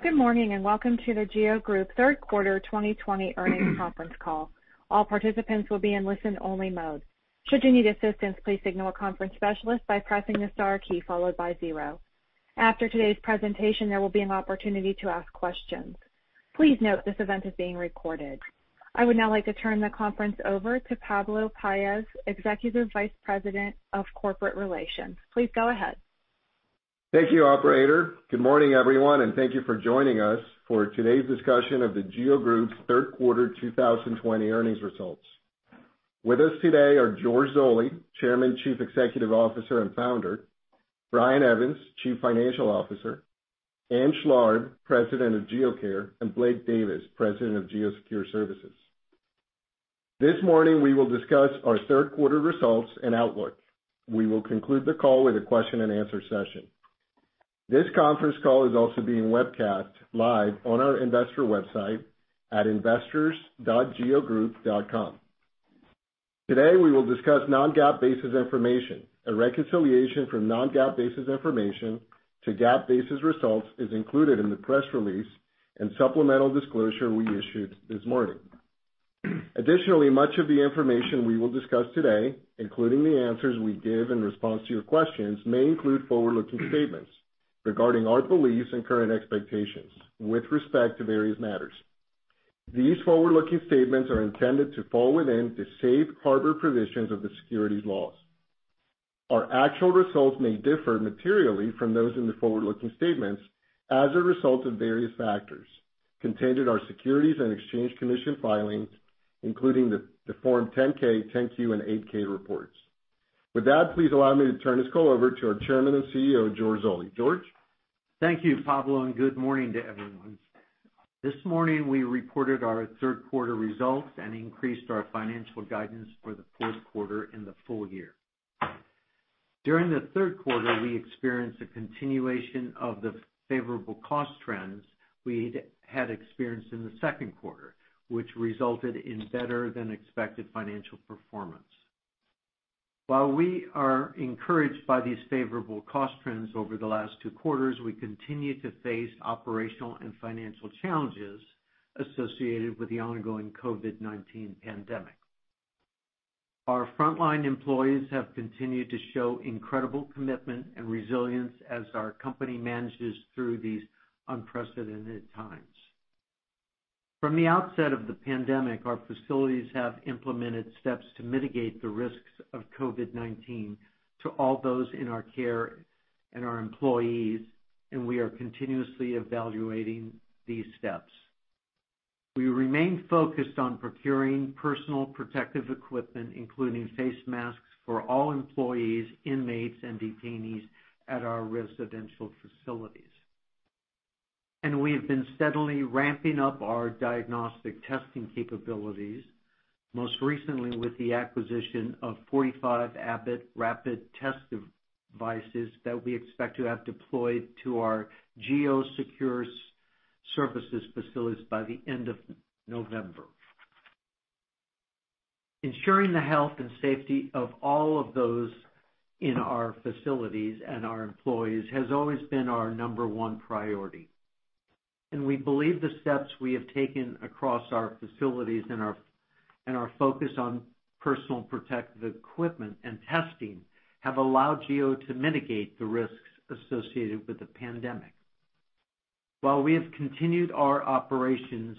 Good morning, and welcome to The GEO Group third quarter 2020 earnings conference call. I would now like to turn the conference over to Pablo Paez, Executive Vice President of Corporate Relations. Please go ahead. Thank you, operator. Good morning, everyone, and thank you for joining us for today's discussion of The GEO Group's third quarter 2020 earnings results. With us today are George Zoley, Chairman, Chief Executive Officer, and Founder; Brian Evans, Chief Financial Officer; Ann Schlarb, President of GEO Care; and Blake Davis, President of GEO Secure Services. This morning, we will discuss our third quarter results and outlook. We will conclude the call with a question and answer session. This conference call is also being webcast live on our investor website at investors.geogroup.com. Today, we will discuss non-GAAP basis information. A reconciliation from non-GAAP basis information to GAAP basis results is included in the press release and supplemental disclosure we issued this morning. Additionally, much of the information we will discuss today, including the answers we give in response to your questions, may include forward-looking statements regarding our beliefs and current expectations with respect to various matters. These forward-looking statements are intended to fall within the safe harbor provisions of the securities laws. Our actual results may differ materially from those in the forward-looking statements as a result of various factors contained in our Securities and Exchange Commission filings, including the Form 10-K, 10-Q, and 8-K reports. With that, please allow me to turn this call over to our Chairman and CEO, George Zoley. George? Thank you, Pablo, and good morning to everyone. This morning, we reported our third quarter results and increased our financial guidance for the fourth quarter and the full year. During the third quarter, we experienced a continuation of the favorable cost trends we'd experienced in the second quarter, which resulted in better than expected financial performance. While we are encouraged by these favorable cost trends over the last two quarters, we continue to face operational and financial challenges associated with the ongoing COVID-19 pandemic. Our frontline employees have continued to show incredible commitment and resilience as our company manages through these unprecedented times. From the outset of the pandemic, our facilities have implemented steps to mitigate the risks of COVID-19 to all those in our care and our employees, and we are continuously evaluating these steps. We remain focused on procuring personal protective equipment, including face masks, for all employees, inmates, and detainees at our residential facilities. We have been steadily ramping up our diagnostic testing capabilities, most recently with the acquisition of 45 Abbott rapid test devices that we expect to have deployed to our GEO Secure Services facilities by the end of November. Ensuring the health and safety of all of those in our facilities and our employees has always been our number one priority, and we believe the steps we have taken across our facilities and our focus on personal protective equipment and testing have allowed GEO to mitigate the risks associated with the pandemic. While we have continued our operations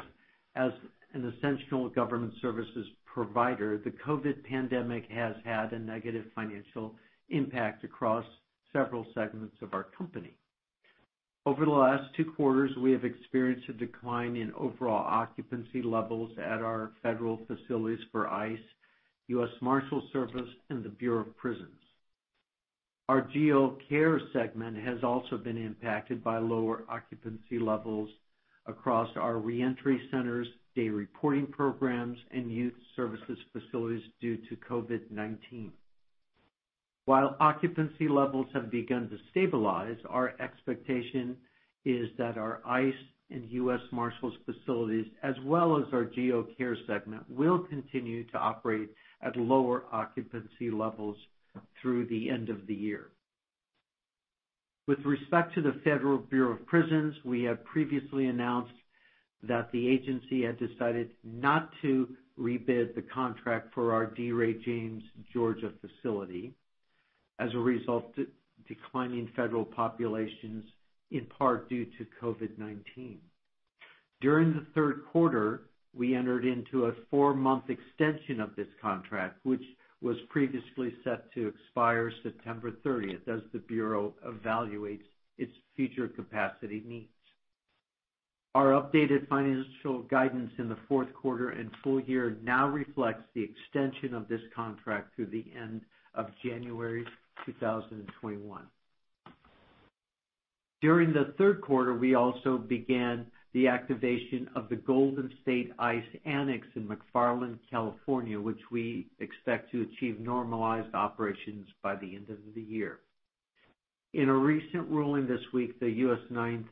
as an essential government services provider, the COVID pandemic has had a negative financial impact across several segments of our company. Over the last two quarters, we have experienced a decline in overall occupancy levels at our federal facilities for ICE, US Marshals Service, and the Bureau of Prisons. Our GEO Care segment has also been impacted by lower occupancy levels across our reentry centers, day reporting programs, and youth services facilities due to COVID-19. While occupancy levels have begun to stabilize, our expectation is that our ICE and US Marshals facilities, as well as our GEO Care segment, will continue to operate at lower occupancy levels through the end of the year. With respect to the Federal Bureau of Prisons, we have previously announced that the agency had decided not to rebid the contract for our D. Ray James Georgia facility as a result of declining federal populations, in part due to COVID-19. During the third quarter, we entered into a four-month extension of this contract, which was previously set to expire September 30th, as the Bureau evaluates its future capacity needs. Our updated financial guidance in the fourth quarter and full year now reflects the extension of this contract through the end of January 2021. During the third quarter, we also began the activation of the Golden State ICE Annx in McFarland, California, which we expect to achieve normalized operations by the end of the year. In a recent ruling this week, the U.S. Ninth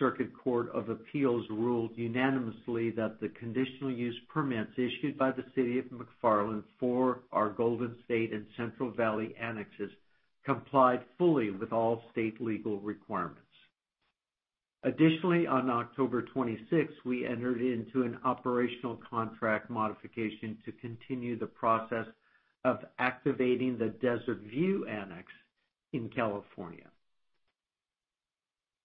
Circuit Court of Appeals ruled unanimously that the conditional use permits issued by the City of McFarland for our Golden State and Central Valley Annxes complied fully with all state legal requirements. Additionally, on October 26th, we entered into an operational contract modification to continue the process of activating the Desert View Annx in California.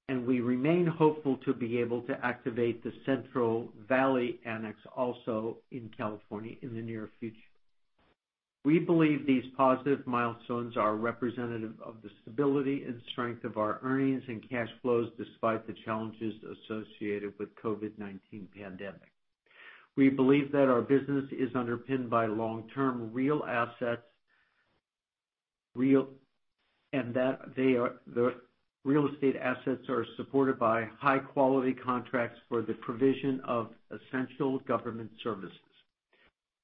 We remain hopeful to be able to activate the Central Valley Annx, also in California, in the near future. We believe these positive milestones are representative of the stability and strength of our earnings and cash flows, despite the challenges associated with COVID-19 pandemic. We believe that our business is underpinned by long-term real assets, and that the real estate assets are supported by high-quality contracts for the provision of essential government services.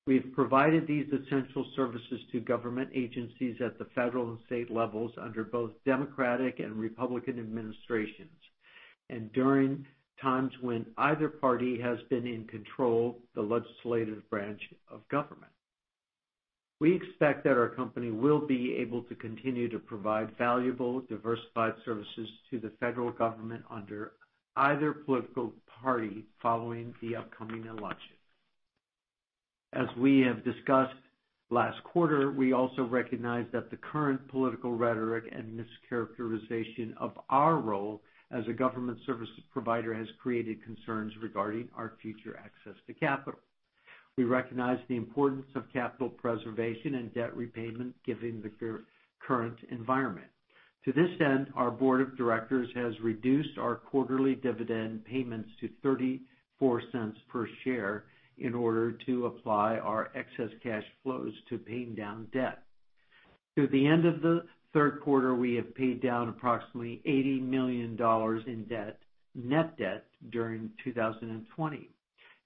We've provided these essential services to government agencies at the federal and state levels under both Democratic and Republican administrations, and during times when either party has been in control the legislative branch of government. We expect that our company will be able to continue to provide valuable, diversified services to the federal government under either political party following the upcoming election. As we have discussed last quarter, we also recognize that the current political rhetoric and mischaracterization of our role as a government services provider has created concerns regarding our future access to capital. We recognize the importance of capital preservation and debt repayment given the current environment. To this end, our board of directors has reduced our quarterly dividend payments to $0.34 per share in order to apply our excess cash flows to paying down debt. Through the end of the third quarter, we have paid down approximately $80 million in net debt during 2020.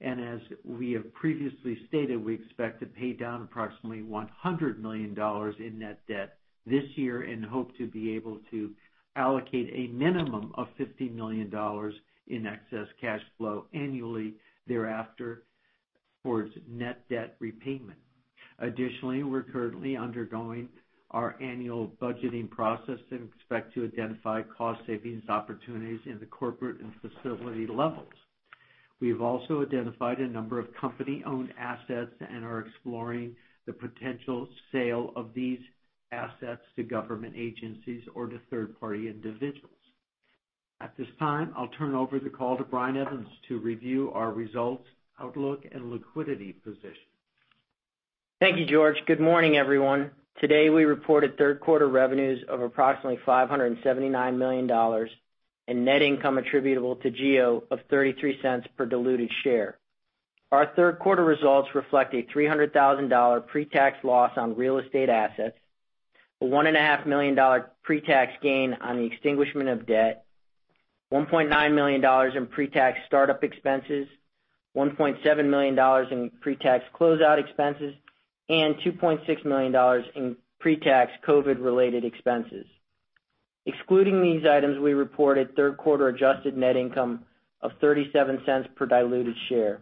As we have previously stated, we expect to pay down approximately $100 million in net debt this year and hope to be able to allocate a minimum of $50 million in excess cash flow annually thereafter towards net debt repayment. Additionally, we're currently undergoing our annual budgeting process and expect to identify cost savings opportunities in the corporate and facility levels. We have also identified a number of company-owned assets and are exploring the potential sale of these assets to government agencies or to third-party individuals. At this time, I'll turn over the call to Brian Evans to review our results, outlook, and liquidity position. Thank you, George. Good morning, everyone. Today, we reported third-quarter revenues of approximately $579 million and net income attributable to GEO of $0.33 per diluted share. Our third-quarter results reflect a $300,000 pre-tax loss on real estate assets, a $1.5 million pre-tax gain on the extinguishment of debt, $1.9 million in pre-tax startup expenses, $1.7 million in pre-tax closeout expenses, and $2.6 million in pre-tax COVID-related expenses. Excluding these items, we reported third quarter adjusted net income of $0.37 per diluted share.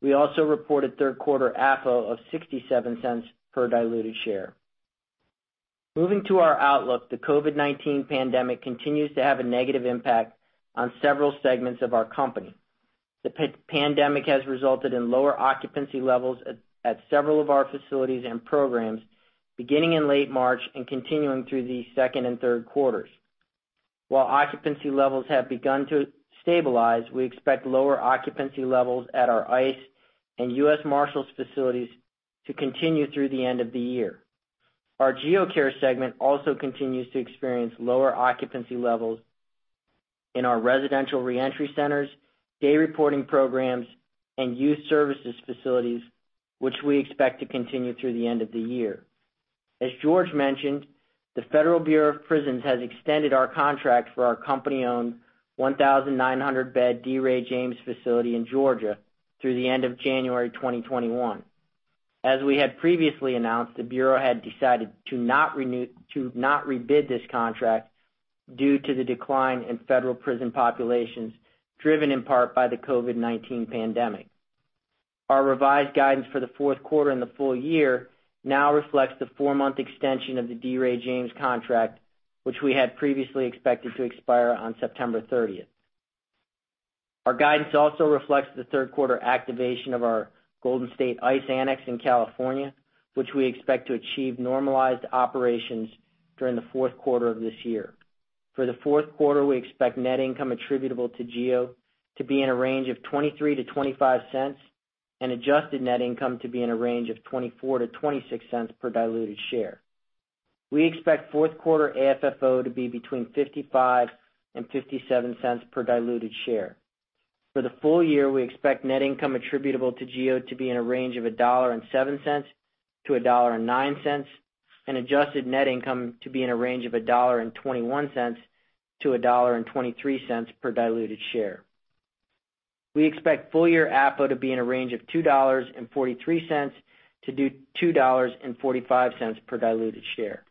We also reported third quarter AFFO of $0.67 per diluted share. Moving to our outlook, the COVID-19 pandemic continues to have a negative impact on several segments of our company. The pandemic has resulted in lower occupancy levels at several of our facilities and programs beginning in late March and continuing through the second and third quarters. While occupancy levels have begun to stabilize, we expect lower occupancy levels at our ICE and U.S. Marshals facilities to continue through the end of the year. Our GEO Care segment also continues to experience lower occupancy levels in our residential reentry centers, day reporting programs, and youth services facilities, which we expect to continue through the end of the year. As George mentioned, the Federal Bureau of Prisons has extended our contract for our company-owned 1,900-bed D. Ray James facility in Georgia through the end of January 2021. As we had previously announced, the Bureau had decided to not rebid this contract due to the decline in federal prison populations, driven in part by the COVID-19 pandemic. Our revised guidance for the fourth quarter and the full year now reflects the four-month extension of the D. Ray James contract, which we had previously expected to expire on September 30th. Our guidance also reflects the third-quarter activation of our Golden State ICE Annx in California, which we expect to achieve normalized operations during the fourth quarter of this year. For the fourth quarter, we expect net income attributable to GEO to be in a range of $0.23-$0.25 and adjusted net income to be in a range of $0.24-$0.26 per diluted share. We expect fourth-quarter AFFO to be between $0.55 and $0.57 per diluted share. For the full year, we expect net income attributable to GEO to be in a range of $1.07-$1.09, and adjusted net income to be in a range of $1.21-$1.23 per diluted share. We expect full-year AFFO to be in a range of $2.43-$2.45 per diluted share.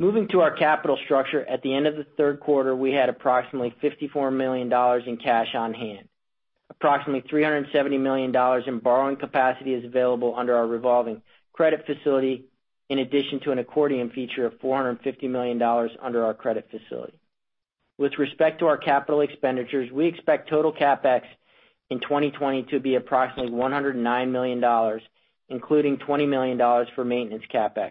Moving to our capital structure, at the end of the third quarter, we had approximately $54 million in cash on hand. Approximately $370 million in borrowing capacity is available under our revolving credit facility, in addition to an accordion feature of $450 million under our credit facility. With respect to our capital expenditures, we expect total CapEx in 2020 to be approximately $109 million, including $20 million for maintenance CapEx.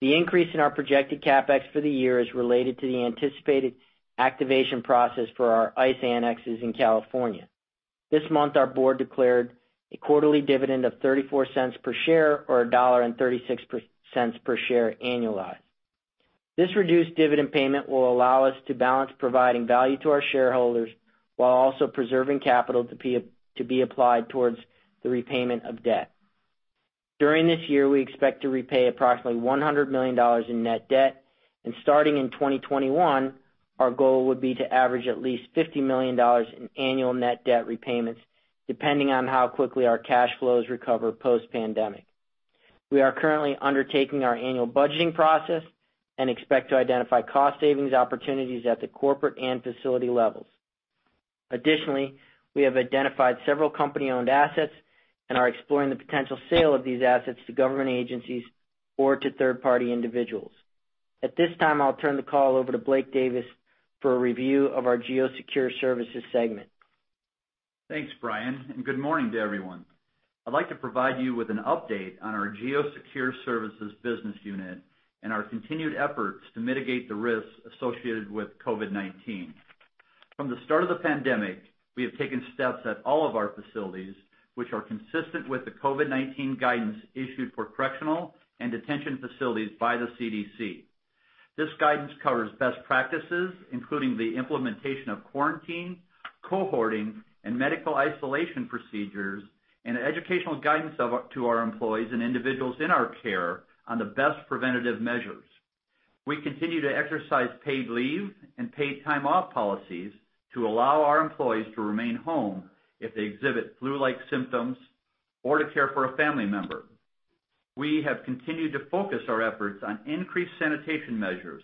The increase in our projected CapEx for the year is related to the anticipated activation process for our ICE Annxes in California. This month, our board declared a quarterly dividend of $0.34 per share or $1.36 per share annualized. This reduced dividend payment will allow us to balance providing value to our shareholders while also preserving capital to be applied towards the repayment of debt. During this year, we expect to repay approximately $100 million in net debt, and starting in 2021, our goal would be to average at least $50 million in annual net debt repayments, depending on how quickly our cash flows recover post-pandemic. We are currently undertaking our annual budgeting process and expect to identify cost savings opportunities at the corporate and facility levels. Additionally, we have identified several company-owned assets and are exploring the potential sale of these assets to government agencies or to third-party individuals. At this time, I'll turn the call over to Blake Davis for a review of our GEO Secure Services segment. Thanks, Brian, and good morning to everyone. I'd like to provide you with an update on our GEO Secure Services business unit and our continued efforts to mitigate the risks associated with COVID-19. From the start of the pandemic, we have taken steps at all of our facilities which are consistent with the COVID-19 guidance issued for correctional and detention facilities by the CDC. This guidance covers best practices, including the implementation of quarantine, cohorting, and medical isolation procedures, and educational guidance to our employees and individuals in our care on the best preventative measures. We continue to exercise paid leave and paid time off policies to allow our employees to remain home if they exhibit flu-like symptoms or to care for a family member. We have continued to focus our efforts on increased sanitation measures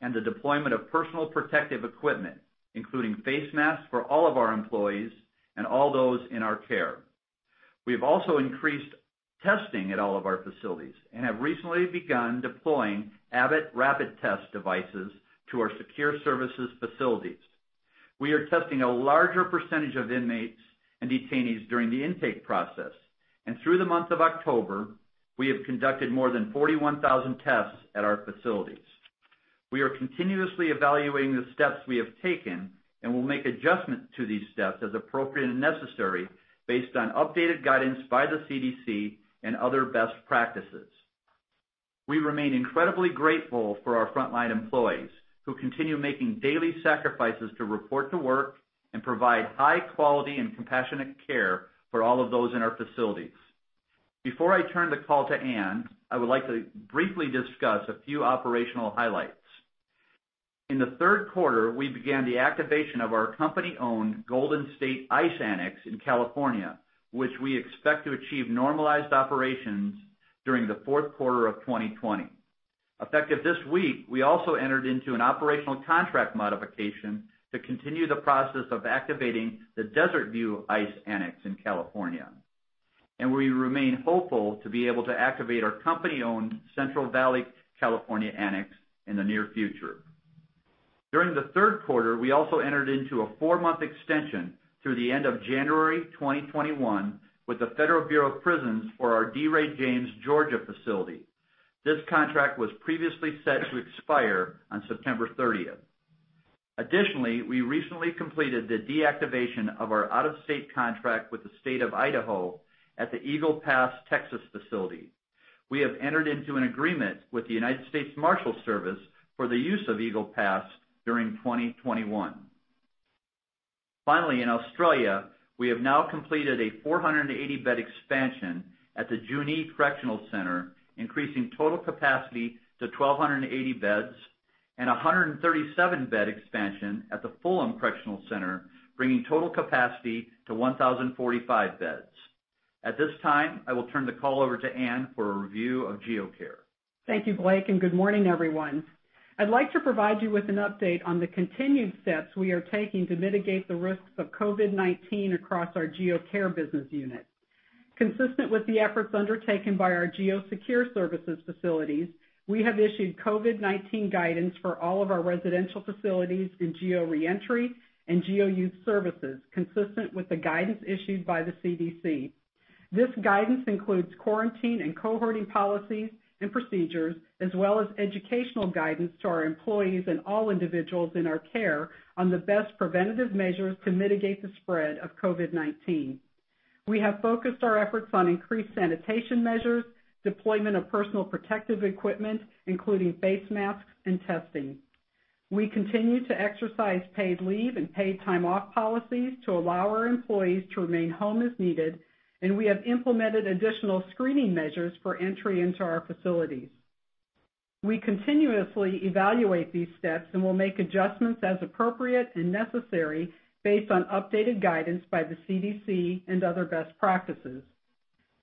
and the deployment of personal protective equipment, including face masks for all of our employees and all those in our care. We have also increased testing at all of our facilities and have recently begun deploying Abbott rapid test devices to our Secure Services facilities. We are testing a larger percentage of inmates and detainees during the intake process, and through the month of October, we have conducted more than 41,000 tests at our facilities. We are continuously evaluating the steps we have taken and will make adjustments to these steps as appropriate and necessary based on updated guidance by the CDC and other best practices. We remain incredibly grateful for our frontline employees who continue making daily sacrifices to report to work and provide high quality and compassionate care for all of those in our facilities. Before I turn the call to Ann, I would like to briefly discuss a few operational highlights. In the third quarter, we began the activation of our company-owned Golden State ICE Annx in California, which we expect to achieve normalized operations during the fourth quarter of 2020. Effective this week, we also entered into an operational contract modification to continue the process of activating the Desert View ICE Annx in California, and we remain hopeful to be able to activate our company-owned Central Valley, California Annx in the near future. During the third quarter, we also entered into a four-month extension through the end of January 2021 with the Federal Bureau of Prisons for our D. Ray James, Georgia facility. This contract was previously set to expire on September 30th. We recently completed the deactivation of our out-of-state contract with the State of Idaho at the Eagle Pass, Texas facility. We have entered into an agreement with the US Marshals Service for the use of Eagle Pass during 2021. In Australia, we have now completed a 480-bed expansion at the Junee Correctional Center, increasing total capacity to 1,280 beds and 137-bed expansion at the Fulham Correctional Center, bringing total capacity to 1,045 beds. At this time, I will turn the call over to Ann for a review of GEO Care. Thank you, Blake, and good morning, everyone. I'd like to provide you with an update on the continued steps we are taking to mitigate the risks of COVID-19 across our GEO Care business unit. Consistent with the efforts undertaken by our GEO Secure Services facilities, we have issued COVID-19 guidance for all of our residential facilities in GEO Reentry and GEO Youth Services, consistent with the guidance issued by the CDC. This guidance includes quarantine and cohorting policies and procedures, as well as educational guidance to our employees and all individuals in our care on the best preventative measures to mitigate the spread of COVID-19. We have focused our efforts on increased sanitation measures, deployment of personal protective equipment, including face masks and testing. We continue to exercise paid leave and paid time off policies to allow our employees to remain home as needed, and we have implemented additional screening measures for entry into our facilities. We continuously evaluate these steps and will make adjustments as appropriate and necessary based on updated guidance by the CDC and other best practices.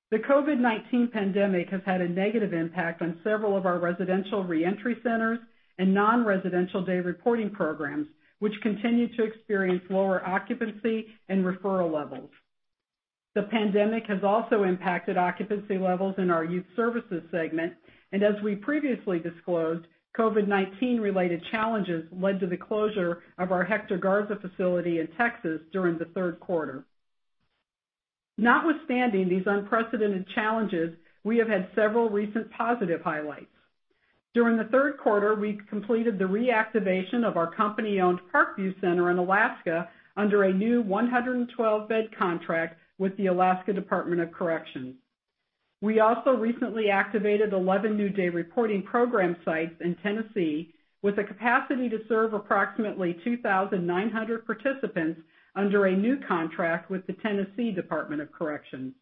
The COVID-19 pandemic has had a negative impact on several of our residential reentry centers and non-residential day reporting programs, which continue to experience lower occupancy and referral levels. The pandemic has also impacted occupancy levels in our Youth Services segment, and as we previously disclosed, COVID-19 related challenges led to the closure of our Hector Garza facility in Texas during the third quarter. Notwithstanding these unprecedented challenges, we have had several recent positive highlights. During the third quarter, we completed the reactivation of our company-owned Parkview Center in Alaska under a new 112-bed contract with the Alaska Department of Corrections. We also recently activated 11 new day reporting program sites in Tennessee with the capacity to serve approximately 2,900 participants under a new contract with the Tennessee Department of Correction.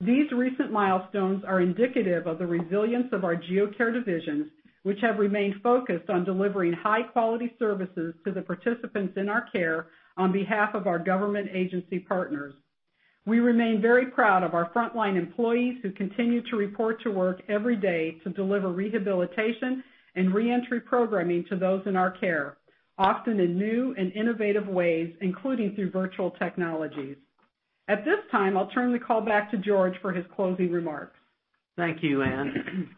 These recent milestones are indicative of the resilience of our GEO Care divisions, which have remained focused on delivering high-quality services to the participants in our care on behalf of our government agency partners. We remain very proud of our frontline employees who continue to report to work every day to deliver rehabilitation and reentry programming to those in our care, often in new and innovative ways, including through virtual technologies. At this time, I'll turn the call back to George for his closing remarks. Thank you, Ann.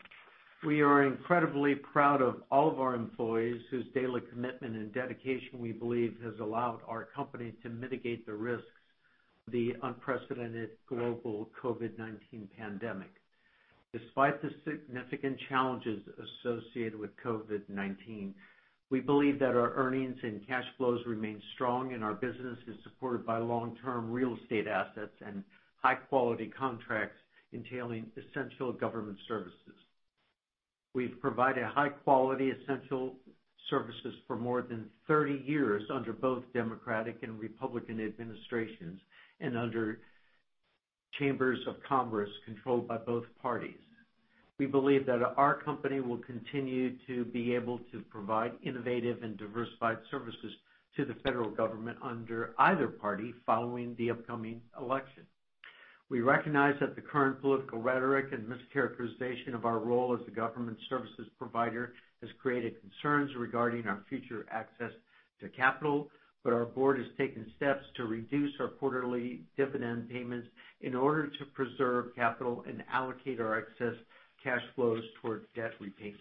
We are incredibly proud of all of our employees whose daily commitment and dedication we believe has allowed our company to mitigate the risks of the unprecedented global COVID-19 pandemic. Despite the significant challenges associated with COVID-19, we believe that our earnings and cash flows remain strong, and our business is supported by long-term real estate assets and high-quality contracts entailing essential government services. We've provided high-quality essential services for more than 30 years under both Democratic and Republican administrations and under chambers of Congress controlled by both parties. We believe that our company will continue to be able to provide innovative and diversified services to the federal government under either party following the upcoming election. We recognize that the current political rhetoric and mischaracterization of our role as the government services provider has created concerns regarding our future access to capital, but our board has taken steps to reduce our quarterly dividend payments in order to preserve capital and allocate our excess cash flows toward debt repayment.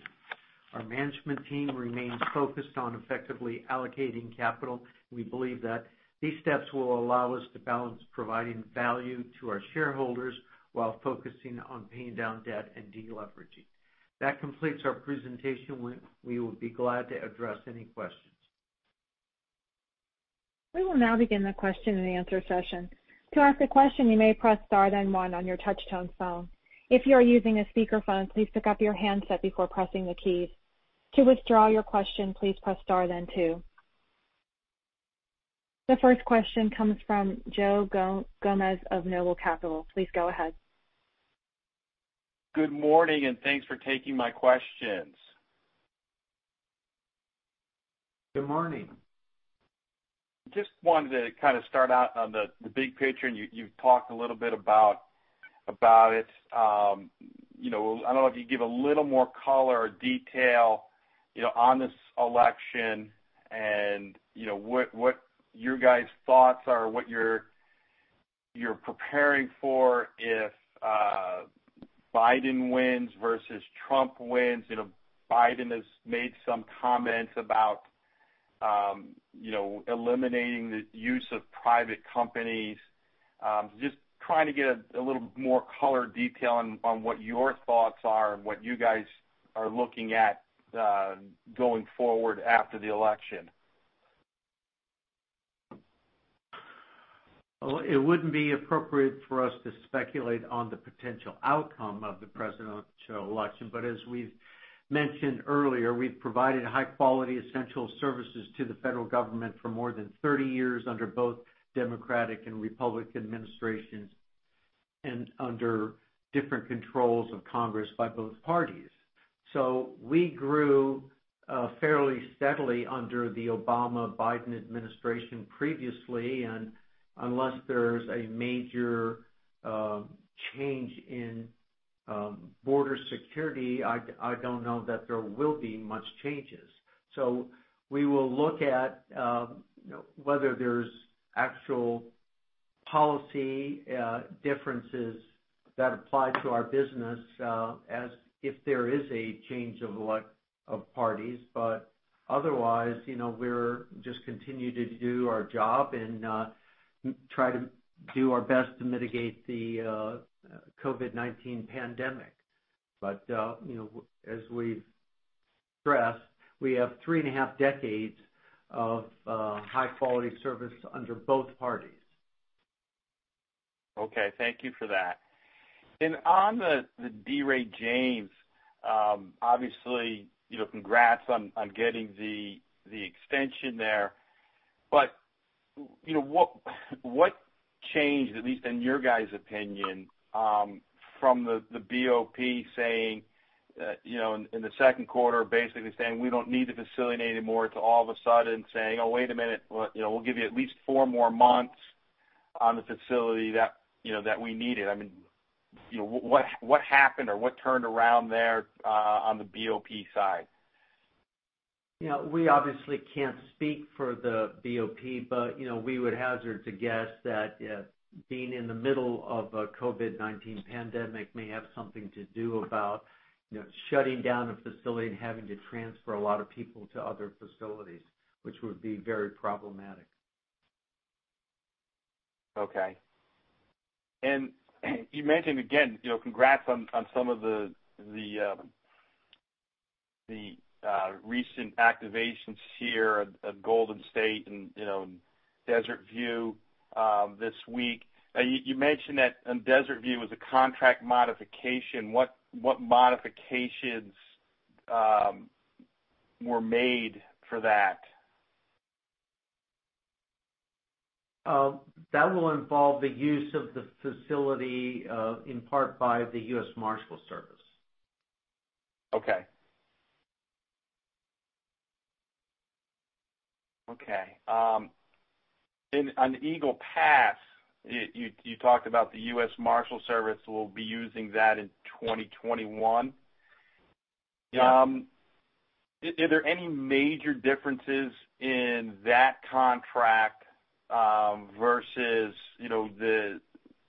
Our management team remains focused on effectively allocating capital. We believe that these steps will allow us to balance providing value to our shareholders while focusing on paying down debt and de-leveraging. That completes our presentation. We will be glad to address any questions. We will now begin the question-and-answer session. To ask question, you may press star then one on your touch-tone phone. If you are using speaker phone, please pick up your headset before pressing the keys. To withdraw your question, please press star then two. The first question comes from Joe Gomes of Noble Capital. Please go ahead. Good morning, and thanks for taking my questions. Good morning. Just wanted to kind of start out on the big picture, and you talked a little bit about it. I don't know if you'd give a little more color or detail on this election and what your guys' thoughts are, what you're preparing for if Biden wins versus Trump wins? Biden has made some comments about eliminating the use of private companies. Just trying to get a little more color or detail on what your thoughts are and what you guys are looking at going forward after the election? Well, it wouldn't be appropriate for us to speculate on the potential outcome of the presidential election. As we've mentioned earlier, we've provided high-quality essential services to the federal government for more than 30 years under both Democratic and Republican administrations and under different controls of Congress by both parties. We grew fairly steadily under the Obama-Biden administration previously, and unless there's a major change in border security, I don't know that there will be much changes. We will look at whether there's actual policy differences that apply to our business if there is a change of parties. Otherwise, we'll just continue to do our job and try to do our best to mitigate the COVID-19 pandemic. As we've stressed, we have 3.5 decades of high-quality service under both parties. Okay. Thank you for that. On the D. Ray James, obviously, congrats on getting the extension there. What changed, at least in your guys' opinion from the BOP saying, in the second quarter, basically saying, "We don't need the facility anymore," to all of a sudden saying, "Oh, wait a minute. We'll give you at least four more months on the facility that we needed." What happened or what turned around there on the BOP side? We obviously can't speak for the BOP, but we would hazard to guess that being in the middle of a COVID-19 pandemic may have something to do about shutting down a facility and having to transfer a lot of people to other facilities, which would be very problematic. Okay. You mentioned again, congrats on some of the recent activations here of Golden State and Desert View this week. You mentioned that Desert View was a contract modification. What modifications were made for that? That will involve the use of the facility, in part by the U.S. Marshals Service. Okay. In Eagle Pass, you talked about the U.S. Marshals Service will be using that in 2021. Yeah. Are there any major differences in that contract versus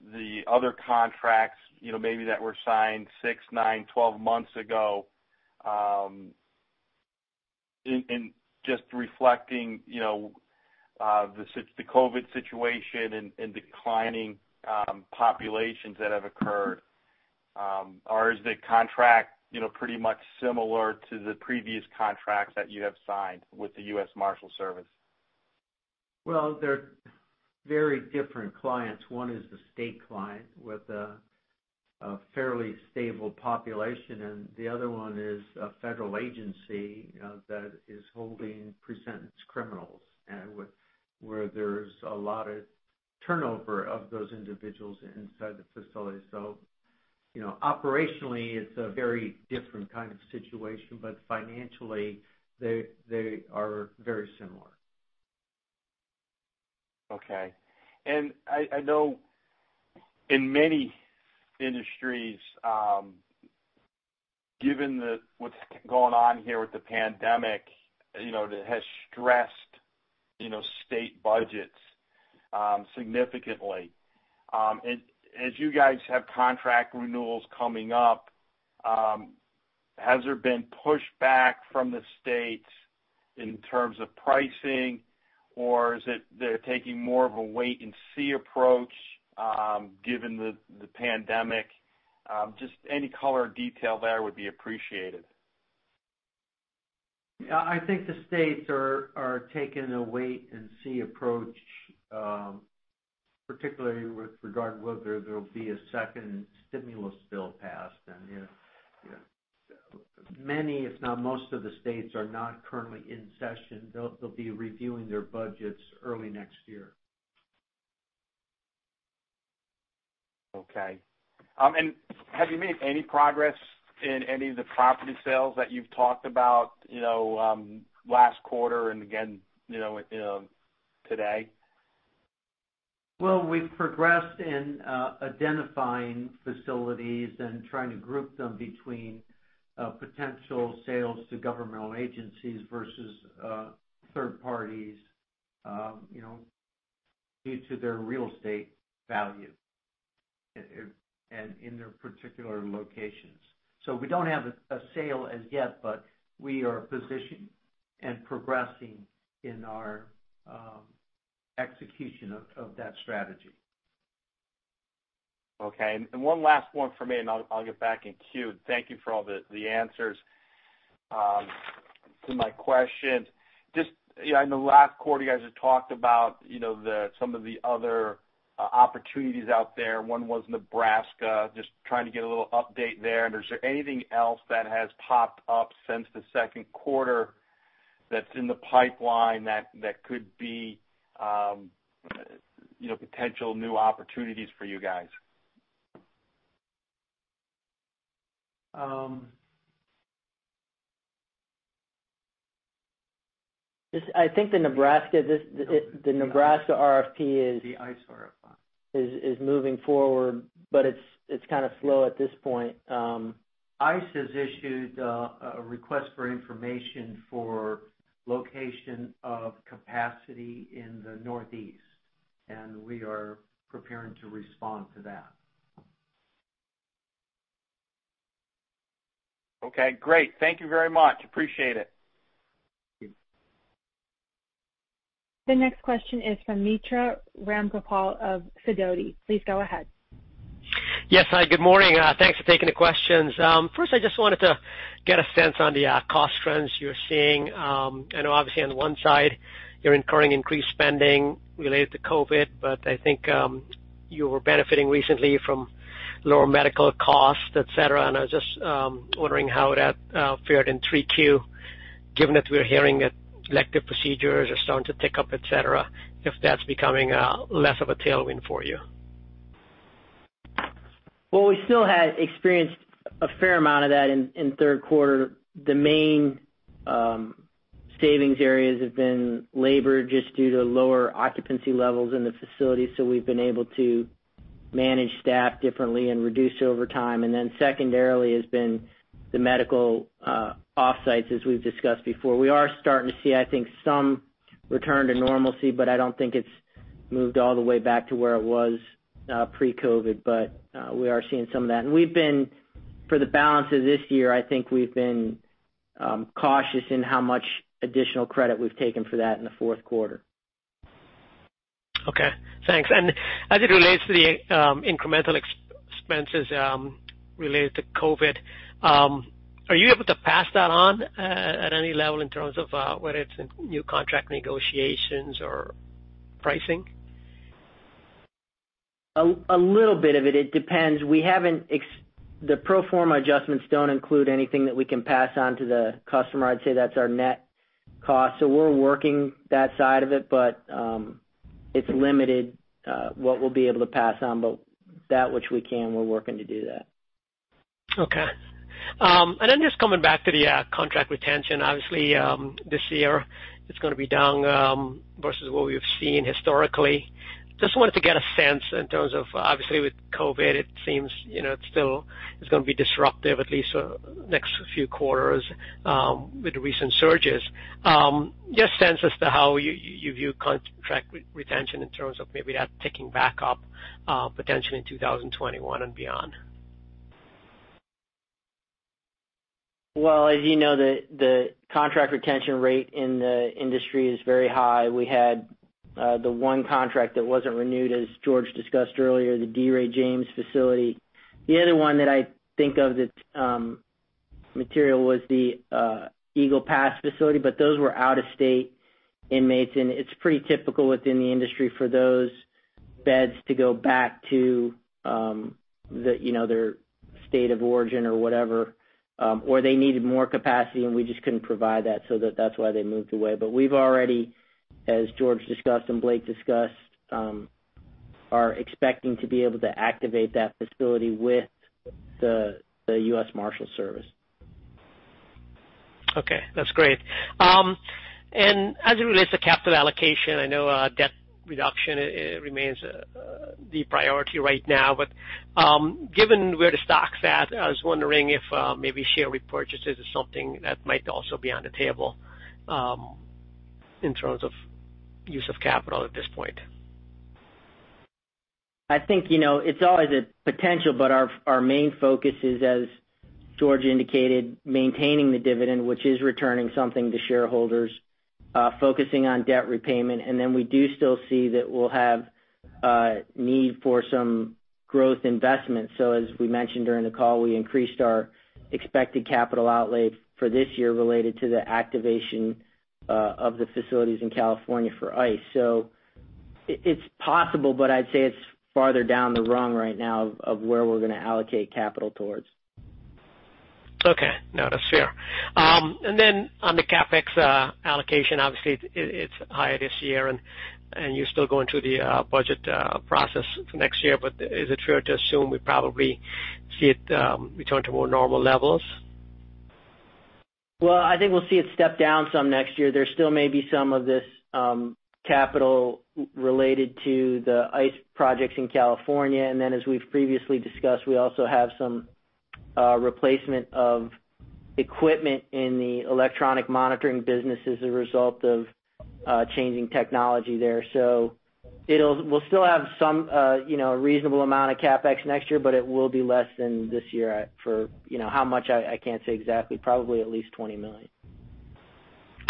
the other contracts maybe that were signed six, nine, 12 months ago, in just reflecting the COVID situation and declining populations that have occurred? Or is the contract pretty much similar to the previous contracts that you have signed with the U.S. Marshals Service? Well, they're very different clients. One is the state client with a fairly stable population, and the other one is a federal agency that is holding presentence criminals and where there's a lot of turnover of those individuals inside the facility. Operationally, it's a very different kind of situation. Financially, they are very similar. Okay. I know in many industries, given what's going on here with the pandemic, that has stressed state budgets significantly. As you guys have contract renewals coming up, has there been pushback from the states in terms of pricing, or is it they're taking more of a wait and see approach given the pandemic? Just any color or detail there would be appreciated. I think the states are taking a wait and see approach, particularly with regard to whether there'll be a second stimulus bill passed. Many, if not most of the states, are not currently in session. They'll be reviewing their budgets early next year. Okay. Have you made any progress in any of the property sales that you've talked about last quarter and again today? Well, we've progressed in identifying facilities and trying to group them between potential sales to governmental agencies versus third parties due to their real estate value and in their particular locations. We don't have a sale as yet, but we are positioned and progressing in our execution of that strategy. Okay. One last one from me, and I'll get back in queue. Thank you for all the answers to my questions. Just in the last quarter, you guys had talked about some of the other opportunities out there. One was Nebraska. Just trying to get a little update there. Is there anything else that has popped up since the second quarter that's in the pipeline that could be potential new opportunities for you guys? I think the Nebraska RFP is. The ICE RFP. is moving forward, but it's kind of slow at this point. ICE has issued a request for information for location of capacity in the Northeast, and we are preparing to respond to that. Okay, great. Thank you very much. Appreciate it. Thank you. The next question is from Mitra Ramgopal of Sidoti. Please go ahead. Yes, hi, good morning. Thanks for taking the questions. First, I just wanted to get a sense on the cost trends you're seeing. I know obviously on one side, you're incurring increased spending related to COVID, but I think you were benefiting recently from lower medical costs, et cetera, and I was just wondering how that fared in 3Q. Given that we're hearing that elective procedures are starting to tick up, et cetera, if that's becoming less of a tailwind for you. Well, we still had experienced a fair amount of that in third quarter. The main savings areas have been labor, just due to lower occupancy levels in the facility. We've been able to manage staff differently and reduce overtime. Secondarily has been the medical off-sites, as we've discussed before. We are starting to see, I think, some return to normalcy, but I don't think it's moved all the way back to where it was pre-COVID. We are seeing some of that. For the balance of this year, I think we've been cautious in how much additional credit we've taken for that in the fourth quarter. Okay, thanks. As it relates to the incremental expenses related to COVID, are you able to pass that on at any level in terms of whether it's in new contract negotiations or pricing? A little bit of it. It depends. The pro forma adjustments don't include anything that we can pass on to the customer. I'd say that's our net cost. We're working that side of it, but it's limited what we'll be able to pass on. That which we can, we're working to do that. Okay. Just coming back to the contract retention. Obviously, this year it's going to be down versus what we've seen historically. Just wanted to get a sense in terms of, obviously with COVID-19, it seems it's going to be disruptive at least next few quarters with the recent surges. Just sense as to how you view contract retention in terms of maybe that ticking back up potentially in 2021 and beyond. Well, as you know, the contract retention rate in the industry is very high. We had the one contract that wasn't renewed, as George discussed earlier, the D. Ray James facility. The other one that I think of that's material was the Eagle Pass facility. Those were out-of-state inmates, and it's pretty typical within the industry for those beds to go back to their state of origin or whatever. They needed more capacity, and we just couldn't provide that, so that's why they moved away. We've already, as George discussed and Blake discussed, are expecting to be able to activate that facility with the U.S. Marshals Service. Okay, that's great. As it relates to capital allocation, I know debt reduction remains the priority right now. Given where the stock's at, I was wondering if maybe share repurchases is something that might also be on the table in terms of use of capital at this point. I think it's always a potential. Our main focus is, as George indicated, maintaining the dividend, which is returning something to shareholders, focusing on debt repayment, and then we do still see that we'll have a need for some growth investment. As we mentioned during the call, we increased our expected capital outlay for this year related to the activation of the facilities in California for ICE. It's possible. I'd say it's farther down the rung right now of where we're going to allocate capital towards. Okay. No, that's fair. On the CapEx allocation, obviously it's higher this year, and you're still going through the budget process for next year. Is it fair to assume we probably see it return to more normal levels? Well, I think we'll see it step down some next year. There still may be some of this capital related to the ICE projects in California. As we've previously discussed, we also have some replacement of equipment in the electronic monitoring business as a result of changing technology there. We'll still have some reasonable amount of CapEx next year, but it will be less than this year. For how much, I can't say exactly. Probably at least $20 million.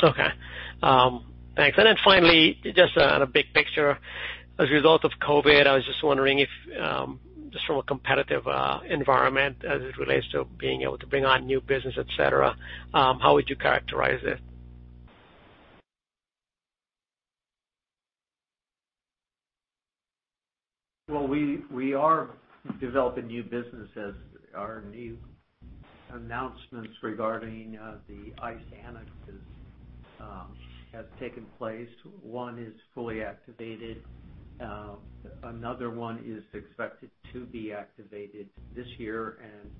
Okay. Thanks. Finally, just on a big picture, as a result of COVID, I was just wondering if, just from a competitive environment as it relates to being able to bring on new business, et cetera, how would you characterize it? Well, we are developing new business as our new announcements regarding the ICE Annx has taken place. One is fully activated. Another one is expected to be activated this year, and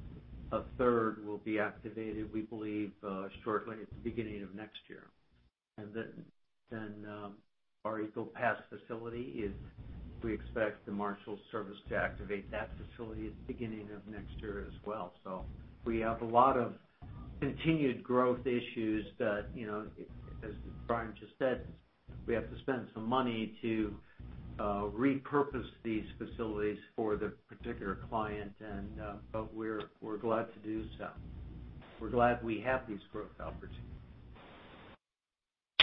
a third will be activated, we believe, shortly at the beginning of next year. Our Eagle Pass facility is, we expect the Marshals Service to activate that facility at the beginning of next year as well. We have a lot of continued growth issues that, as Brian just said, we have to spend some money to repurpose these facilities for the particular client, but we're glad to do so. We're glad we have these growth opportunities.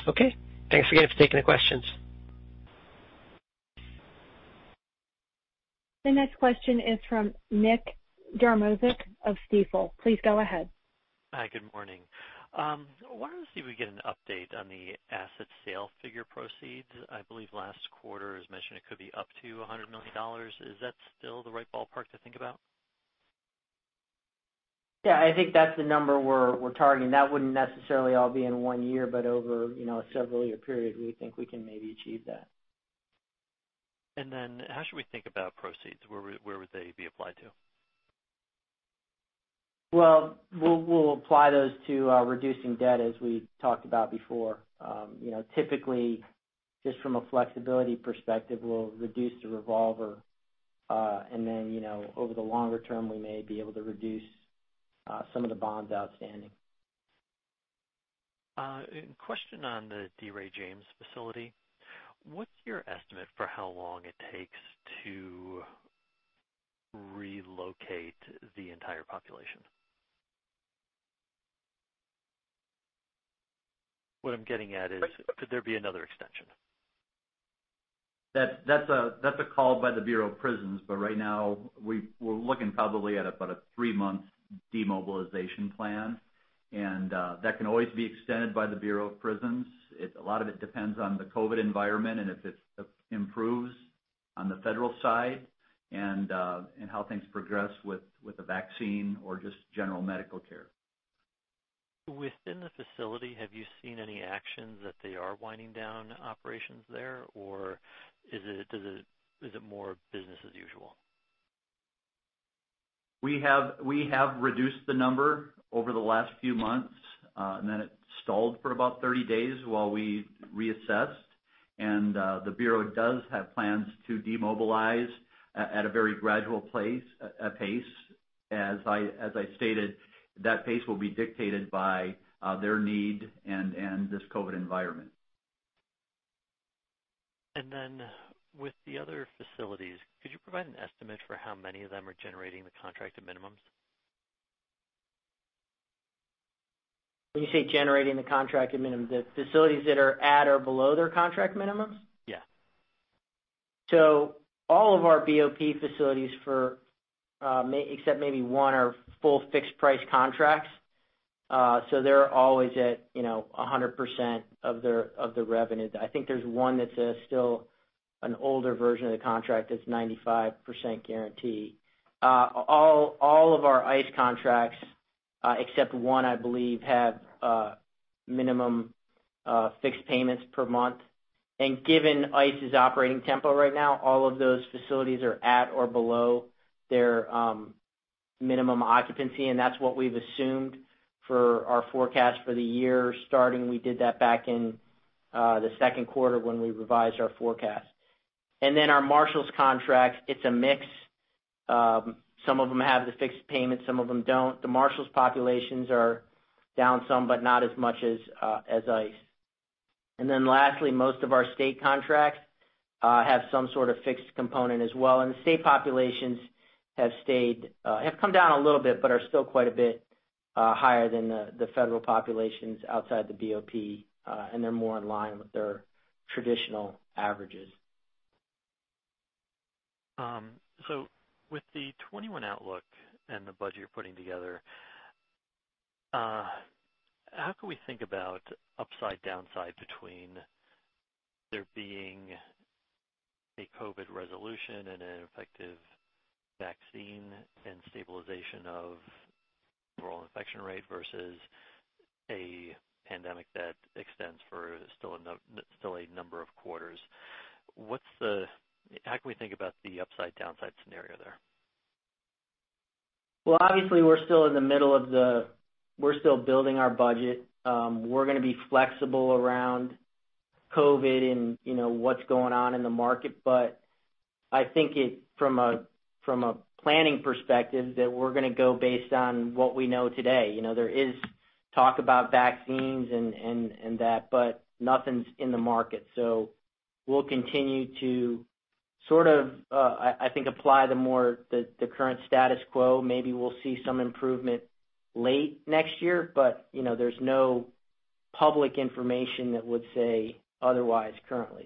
Okay. Thanks again for taking the questions. The next question is from Nick Jarmoszuk of Stifel. Please go ahead. Hi, good morning. I wanted to see if we could get an update on the asset sale figure proceeds. I believe last quarter, as mentioned, it could be up to $100 million. Is that still the right ballpark to think about? Yeah, I think that's the number we're targeting. That wouldn't necessarily all be in one year, but over a several year period, we think we can maybe achieve that. How should we think about proceeds? Where would they be applied to? Well, we'll apply those to reducing debt as we talked about before. Typically, just from a flexibility perspective, we'll reduce the revolver. Over the longer term, we may be able to reduce some of the bonds outstanding. A question on the D. Ray James facility. What's your estimate for how long it takes to relocate the entire population? What I'm getting at is, could there be another extension? That's a call by the Bureau of Prisons, but right now, we're looking probably at about a three-month demobilization plan. That can always be extended by the Bureau of Prisons. A lot of it depends on the COVID environment and if it improves on the federal side, and how things progress with the vaccine or just general medical care. Within the facility, have you seen any actions that they are winding down operations there? Is it more business as usual? We have reduced the number over the last few months, and then it stalled for about 30 days while we reassessed. The Bureau does have plans to demobilize at a very gradual pace. As I stated, that pace will be dictated by their need and this COVID environment. With the other facilities, could you provide an estimate for how many of them are generating the contracted minimums? When you say generating the contracted minimums, the facilities that are at or below their contract minimums? Yeah. All of our BOP facilities, except maybe one, are full fixed price contracts. They're always at 100% of the revenue. I think there's one that's still an older version of the contract that's 95% guarantee. All of our ICE contracts, except one I believe, have minimum fixed payments per month. Given ICE's operating tempo right now, all of those facilities are at or below their minimum occupancy, and that's what we've assumed for our forecast for the year starting. We did that back in the second quarter when we revised our forecast. Our Marshals contract, it's a mix. Some of them have the fixed payment, some of them don't. The Marshals populations are down some, but not as much as ICE. Lastly, most of our state contracts have some sort of fixed component as well. The state populations have come down a little bit, but are still quite a bit higher than the federal populations outside the BOP, and they're more in line with their traditional averages. With the 2021 outlook and the budget you're putting together, how can we think about upside downside between there being a COVID resolution and an effective vaccine and stabilization of overall infection rate versus a pandemic that extends for still a number of quarters? How can we think about the upside downside scenario there? Well, obviously, we're still building our budget. We're going to be flexible around COVID and what's going on in the market. I think from a planning perspective, that we're going to go based on what we know today. There is talk about vaccines and that, but nothing's in the market. We'll continue to, I think, apply the current status quo. Maybe we'll see some improvement late next year, but there's no public information that would say otherwise currently.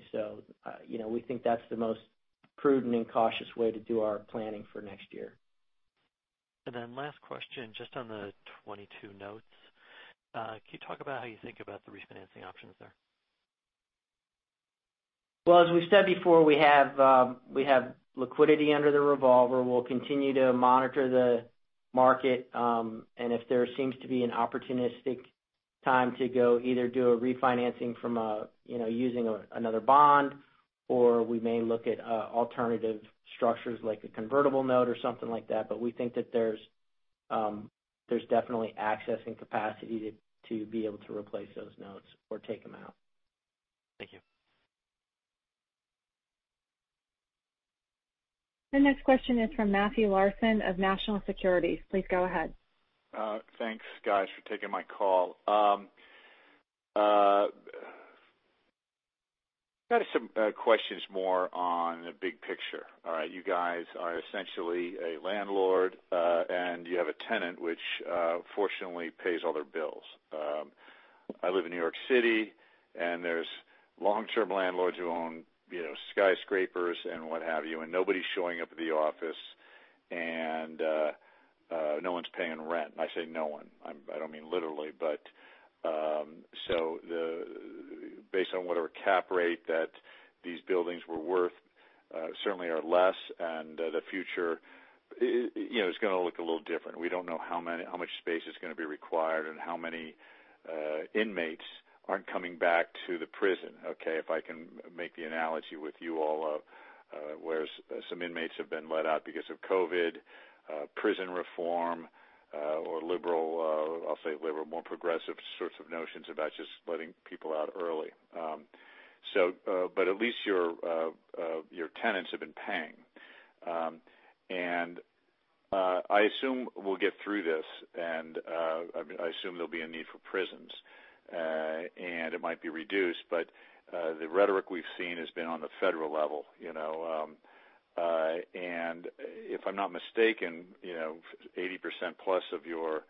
We think that's the most prudent and cautious way to do our planning for next year. Last question, just on the 2022 notes. Can you talk about how you think about the refinancing options there? Well, as we've said before, we have liquidity under the revolver. We'll continue to monitor the market. If there seems to be an opportunistic time to go either do a refinancing from using another bond or we may look at alternative structures like a convertible note or something like that. We think that there's definitely access and capacity to be able to replace those notes or take them out. Thank you. The next question is from Matthew Larson of National Securities. Please go ahead. Thanks guys for taking my call. Got some questions more on the big picture. All right. You guys are essentially a landlord, and you have a tenant which fortunately pays all their bills. I live in New York City, and there's long-term landlords who own skyscrapers and what have you, and nobody's showing up at the office, and no one's paying rent. I say no one. I don't mean literally. Based on whatever cap rate that these buildings were worth, certainly are less, and the future is going to look a little different. We don't know how much space is going to be required and how many inmates aren't coming back to the prison. Okay, if I can make the analogy with you all of where some inmates have been let out because of COVID, prison reform, or liberal, I'll say liberal, more progressive sorts of notions about just letting people out early. At least your tenants have been paying. I assume we'll get through this, and I assume there'll be a need for prisons. It might be reduced, but the rhetoric we've seen has been on the federal level. If I'm not mistaken, 80% plus of your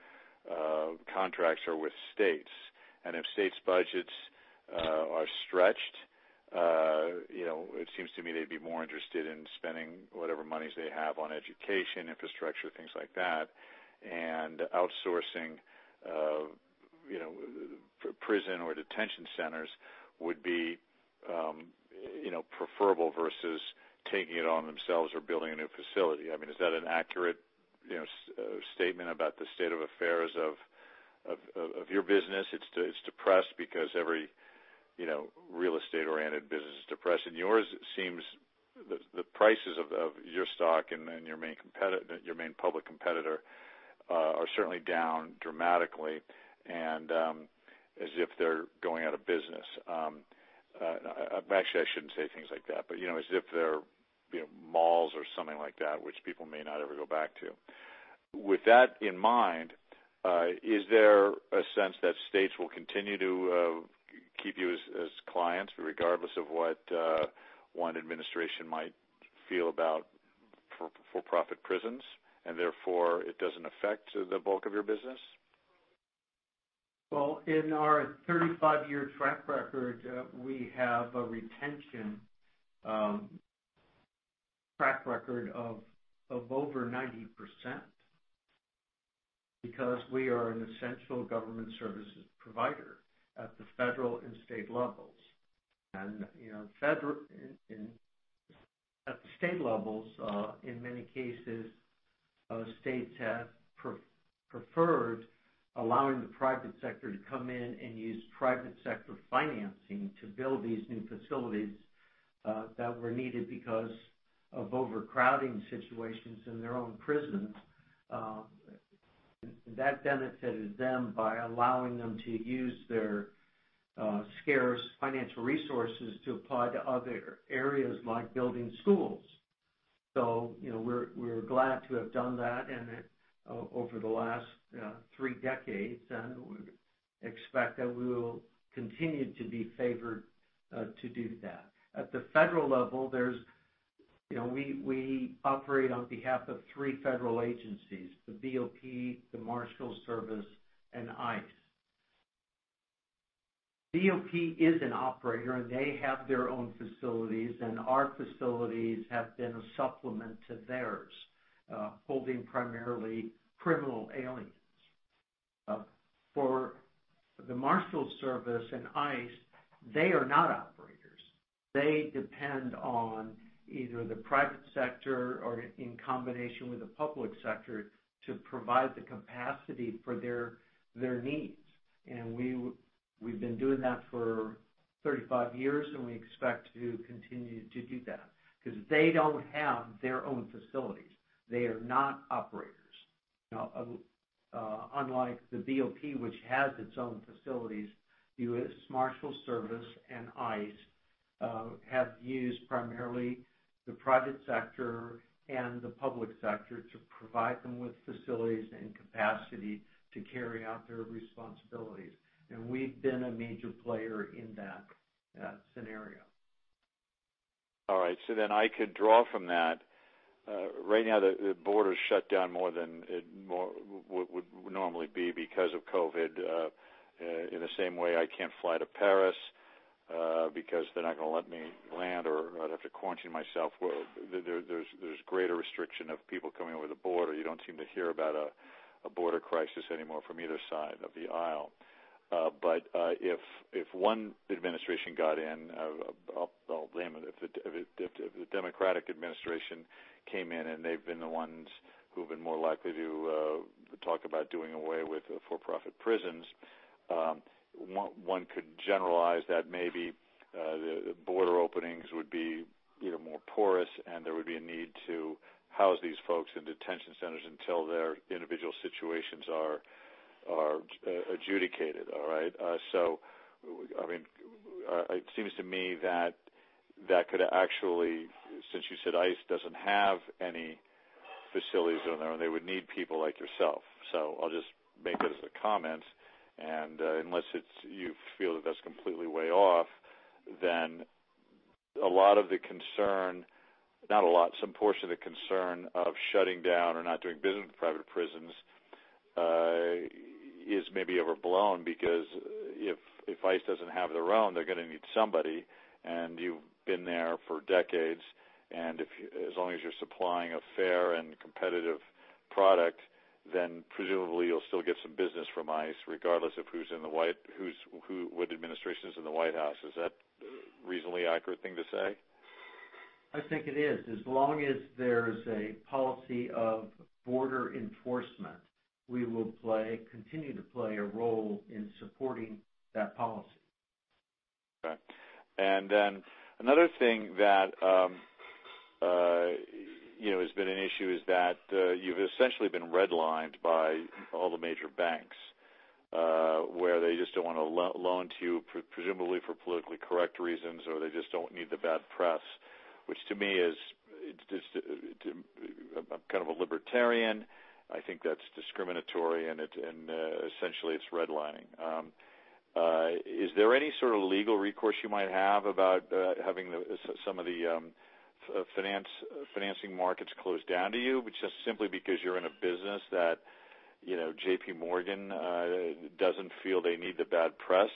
contracts are with states. If states' budgets are stretched, it seems to me they'd be more interested in spending whatever monies they have on education, infrastructure, things like that, and outsourcing prison or detention centers would be preferable versus taking it on themselves or building a new facility. Is that an accurate statement about the state of affairs of your business? It's depressed because every real estate-oriented business is depressed, and yours seems the prices of your stock and your main public competitor are certainly down dramatically and as if they're going out of business. Actually, I shouldn't say things like that, but as if they're malls or something like that, which people may not ever go back to. With that in mind, is there a sense that states will continue to keep you as clients, regardless of what one administration might feel about for-profit prisons, and therefore it doesn't affect the bulk of your business? Well, in our 35-year track record, we have a retention track record of over 90%, because we are an essential government services provider at the federal and state levels. At the state levels, in many cases, states have preferred allowing the private sector to come in and use private sector financing to build these new facilities that were needed because of overcrowding situations in their own prisons. That benefited them by allowing them to use their scarce financial resources to apply to other areas like building schools. We're glad to have done that over the last three decades, and we expect that we will continue to be favored to do that. At the federal level, we operate on behalf of three federal agencies, the BOP, the Marshals Service, and ICE. BOP is an operator, and they have their own facilities, and our facilities have been a supplement to theirs, holding primarily criminal aliens. For the Marshals Service and ICE, they are not operators. They depend on either the private sector or in combination with the public sector to provide the capacity for their needs. We've been doing that for 35 years, and we expect to continue to do that, because they don't have their own facilities. They are not operators. Unlike the BOP, which has its own facilities, the US Marshals Service and ICE have used primarily the private sector and the public sector to provide them with facilities and capacity to carry out their responsibilities. We've been a major player in that scenario. All right, I could draw from that. Right now, the border is shut down more than it would normally be because of COVID-19. In the same way, I can't fly to Paris because they're not going to let me land or I'd have to quarantine myself. There's greater restriction of people coming over the border. You don't seem to hear about a border crisis anymore from either side of the aisle. If one administration got in, I'll blame it, if the Democratic administration came in, and they've been the ones who've been more likely to talk about doing away with for-profit prisons, one could generalize that maybe the border openings would be more porous, and there would be a need to house these folks in detention centers until their individual situations are adjudicated, all right? It seems to me that could actually, since you said ICE doesn't have any facilities on their own, they would need people like yourself. I'll just make that as a comment, and unless you feel that that's completely way off, then a lot of the concern, not a lot, some portion of the concern of shutting down or not doing business with private prisons is maybe overblown because if ICE doesn't have their own, they're going to need somebody, and you've been there for decades, and as long as you're supplying a fair and competitive product, then presumably you'll still get some business from ICE, regardless of what administration is in the White House. Is that a reasonably accurate thing to say? I think it is. As long as there's a policy of border enforcement, we will continue to play a role in supporting that policy. Okay. Another thing that has been an issue is that you've essentially been redlined by all the major banks, where they just don't want to loan to you, presumably for politically correct reasons, or they just don't need the bad press, which to me, I'm kind of a libertarian, I think that's discriminatory and essentially it's redlining. Is there any sort of legal recourse you might have about having some of the financing markets close down to you, which is simply because you're in a business that JP Morgan doesn't feel they need the bad press?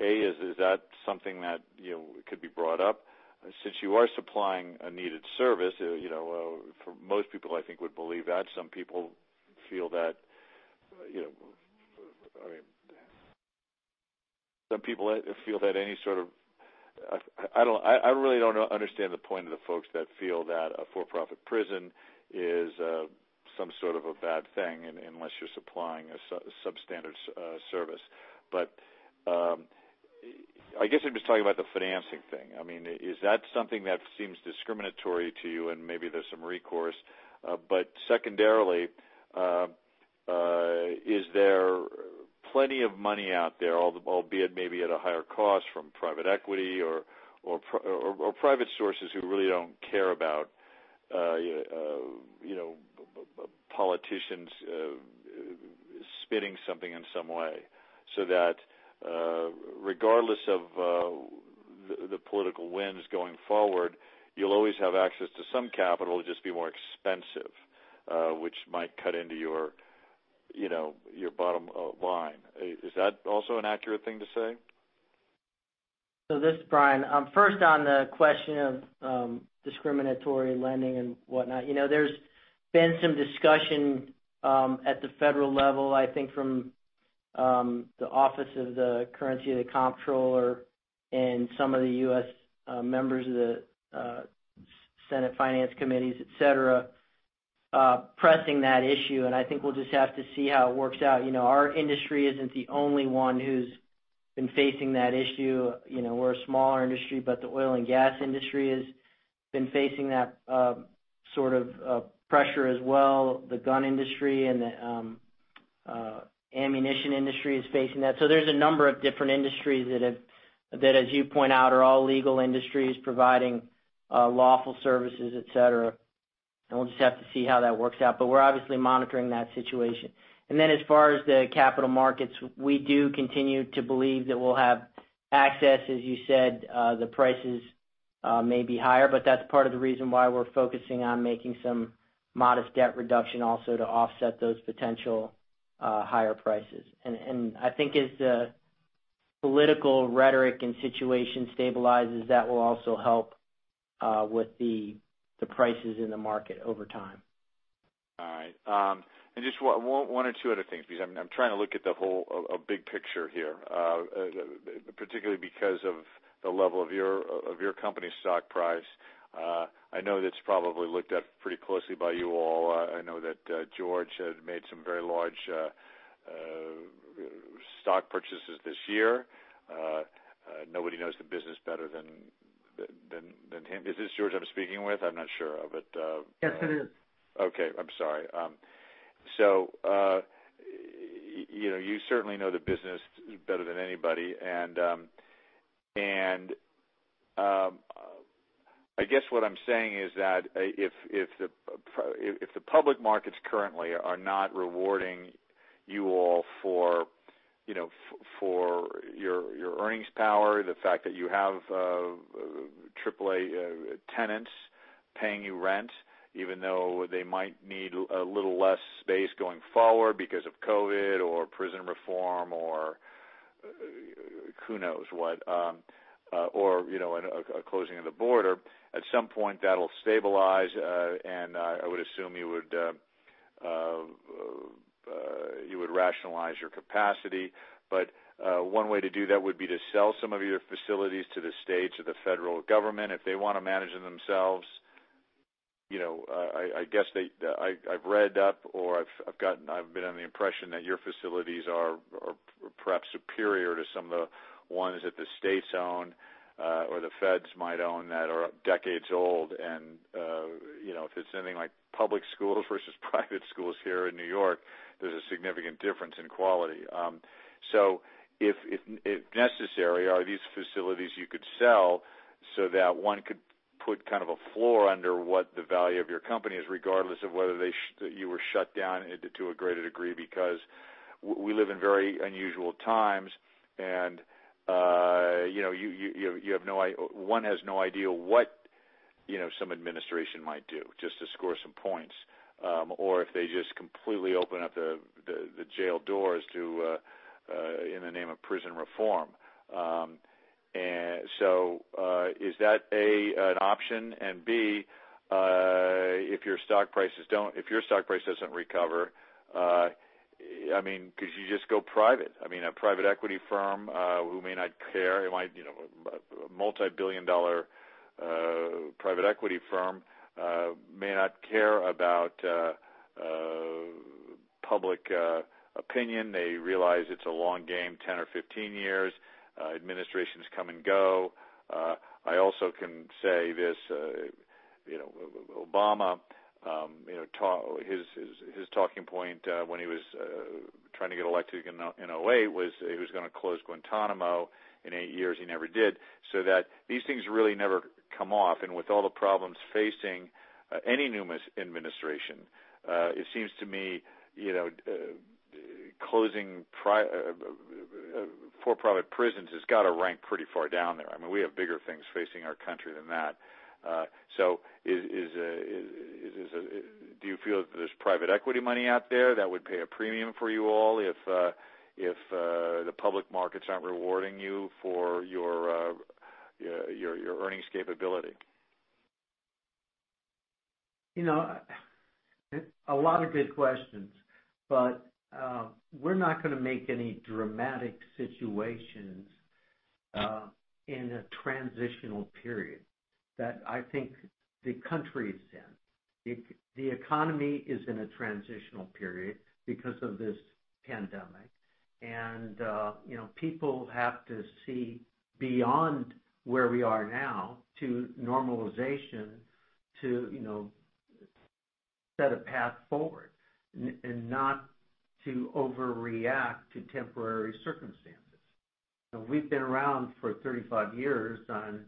A, is that something that could be brought up? Since you are supplying a needed service, for most people, I think, would believe that some people feel that I really don't understand the point of the folks that feel that a for-profit prison is some sort of a bad thing unless you're supplying a substandard service. I guess I'm just talking about the financing thing. Is that something that seems discriminatory to you, and maybe there's some recourse? Secondarily, is there plenty of money out there, albeit maybe at a higher cost from private equity or private sources who really don't care about politicians spinning something in some way, so that regardless of the political winds going forward, you'll always have access to some capital, it'll just be more expensive, which might cut into your bottom line? Is that also an accurate thing to say? This is Brian. First, on the question of discriminatory lending and whatnot, there's been some discussion at the federal level, I think from the Office of the Comptroller of the Currency and some of the U.S. members of the Senate Finance Committees, et cetera, pressing that issue, and I think we'll just have to see how it works out. Our industry isn't the only one who's been facing that issue. We're a smaller industry, but the oil and gas industry has been facing that sort of pressure as well. The gun industry and the ammunition industry is facing that. There's a number of different industries that, as you point out, are all legal industries providing lawful services, et cetera. We'll just have to see how that works out. We're obviously monitoring that situation. As far as the capital markets, we do continue to believe that we'll have access, as you said, the prices may be higher, but that's part of the reason why we're focusing on making some modest debt reduction also to offset those potential higher prices. I think as the political rhetoric and situation stabilizes, that will also help with the prices in the market over time. All right. Just one or two other things, because I'm trying to look at the whole big picture here, particularly because of the level of your company's stock price. I know that's probably looked at pretty closely by you all. I know that George had made some very large stock purchases this year. Nobody knows the business better than him. Is this George I'm speaking with? I'm not sure of it. Yes, it is. Okay. I'm sorry. You certainly know the business better than anybody. I guess what I'm saying is that if the public markets currently are not rewarding you all for your earnings power, the fact that you have AAA tenants paying you rent, even though they might need a little less space going forward because of COVID or prison reform or who knows what, or a closing of the border, at some point that'll stabilize, and I would assume you would rationalize your capacity. One way to do that would be to sell some of your facilities to the state, to the federal government, if they want to manage them themselves. I've read up or I've been under the impression that your facilities are perhaps superior to some of the ones that the states own or the feds might own that are decades old and, if it's anything like public schools versus private schools here in New York, there's a significant difference in quality. If necessary, are these facilities you could sell so that one could put kind of a floor under what the value of your company is, regardless of whether you were shut down to a greater degree? We live in very unusual times, and one has no idea what some administration might do just to score some points. If they just completely open up the jail doors in the name of prison reform. Is that, A, an option? B, if your stock price doesn't recover, could you just go private? A private equity firm who may not care, a multibillion-dollar private equity firm may not care about public opinion. They realize it's a long game, 10 or 15 years. Administrations come and go. I also can say this, Obama, his talking point when he was trying to get elected in 2008 was he was going to close Guantanamo. In eight years, he never did. That these things really never come off. With all the problems facing any new administration, it seems to me, closing for-profit prisons has got to rank pretty far down there. We have bigger things facing our country than that. Do you feel that there's private equity money out there that would pay a premium for you all if the public markets aren't rewarding you for your earnings capability? A lot of good questions, but we're not going to make any dramatic situations in a transitional period that I think the country is in. The economy is in a transitional period because of this pandemic. People have to see beyond where we are now to normalization to set a path forward and not to overreact to temporary circumstances. We've been around for 35 years, and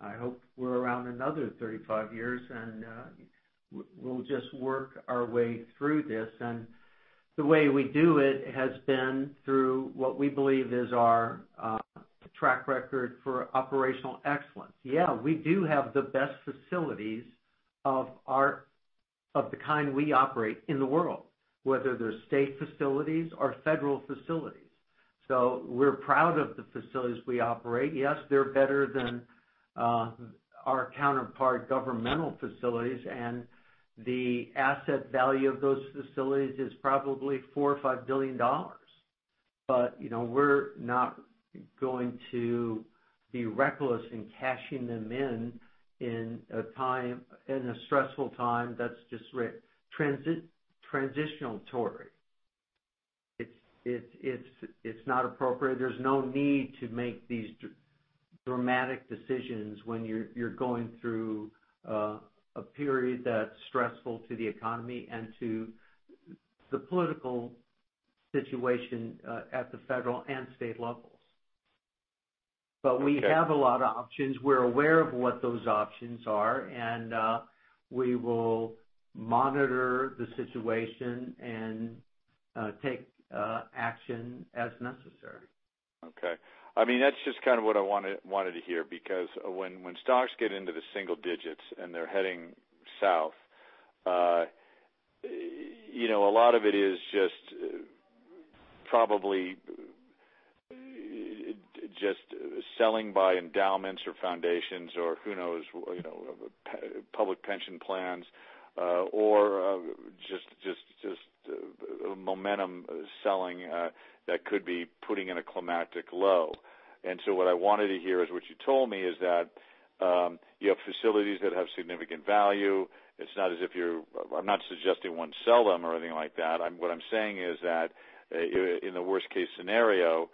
I hope we're around another 35 years, and we'll just work our way through this. The way we do it has been through what we believe is our track record for operational excellence. Yeah, we do have the best facilities of the kind we operate in the world, whether they're state facilities or federal facilities. We're proud of the facilities we operate. Yes, they're better than our counterpart governmental facilities, the asset value of those facilities is probably $4 billion or $5 billion. We're not going to be reckless in cashing them in a stressful time that's just transitory. It's not appropriate. There's no need to make these dramatic decisions when you're going through a period that's stressful to the economy and to the political situation at the federal and state levels. Okay. We have a lot of options. We're aware of what those options are, and we will monitor the situation and take action as necessary. Okay. That's just kind of what I wanted to hear, because when stocks get into the single digits and they're heading south, a lot of it is just probably just selling by endowments or foundations or who knows, public pension plans, or just momentum selling that could be putting in a climatic low. What I wanted to hear is what you told me is that you have facilities that have significant value. I'm not suggesting one sell them or anything like that. What I'm saying is that in the worst-case scenario,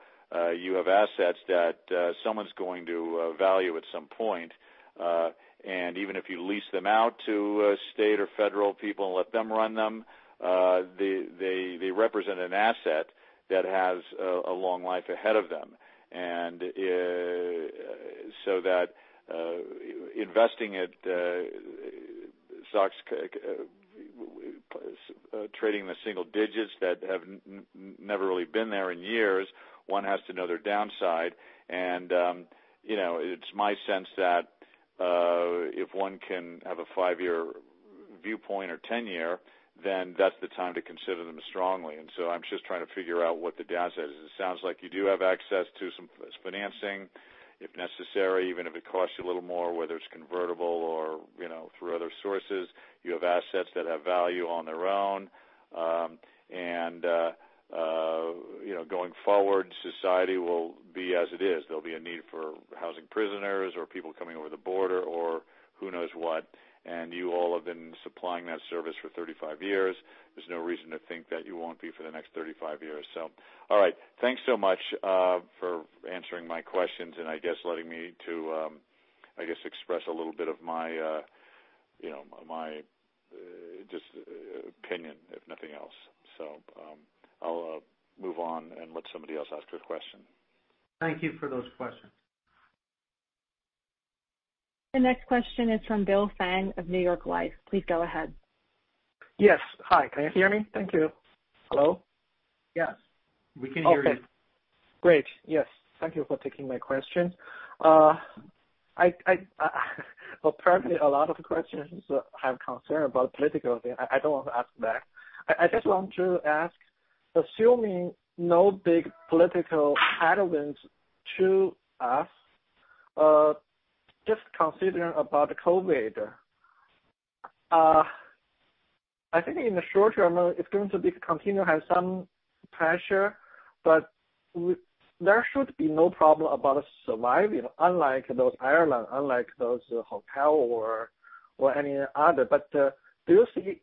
you have assets that someone's going to value at some point. Even if you lease them out to state or federal people and let them run them, they represent an asset that has a long life ahead of them. That investing at stocks, trading in the single digits that have never really been there in years, one has to know their downside. It's my sense that if one can have a five-year viewpoint or 10-year, then that's the time to consider them strongly. I'm just trying to figure out what the downside is. It sounds like you do have access to some financing if necessary, even if it costs you a little more, whether it's convertible or through other sources. You have assets that have value on their own. Going forward, society will be as it is. There'll be a need for housing prisoners or people coming over the border or who knows what. You all have been supplying that service for 35 years. There's no reason to think that you won't be for the next 35 years. All right. Thanks so much for answering my questions and I guess letting me to express a little bit of my opinion, if nothing else. I'll move on and let somebody else ask a question. Thank you for those questions. The next question is from Bill Fan of New York Life. Please go ahead. Yes. Hi, can you hear me? Thank you. Hello? Yes. We can hear you. Okay. Great. Yes. Thank you for taking my question. A lot of questions have concern about political things. I don't want to ask that. I just want to ask, assuming no big political headwinds to us, just considering about the COVID, I think in the short term, it's going to continue to have some pressure, there should be no problem about us surviving, unlike those airlines, unlike those hotel or any other. Do you see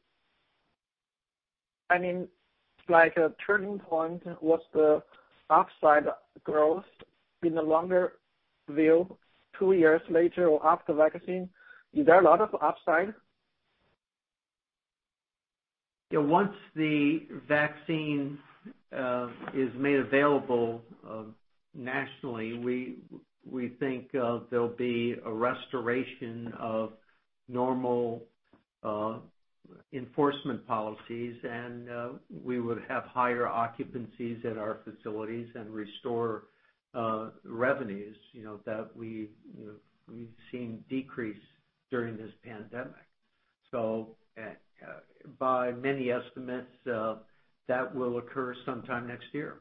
a turning point? What's the upside growth in the longer view, 2 years later or after vaccine? Is there a lot of upside? Once the vaccine is made available nationally, we think there'll be a restoration of normal enforcement policies, and we would have higher occupancies at our facilities and restore revenues that we've seen decrease during this pandemic. By many estimates, that will occur sometime next year.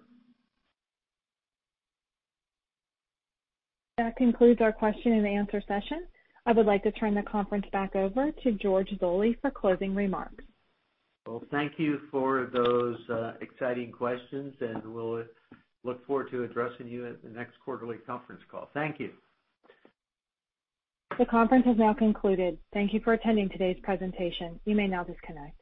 That concludes our question and answer session. I would like to turn the conference back over to George Zoley for closing remarks. Well, thank you for those exciting questions, and we'll look forward to addressing you at the next quarterly conference call. Thank you. The conference has now concluded. Thank you for attending today's presentation. You may now disconnect.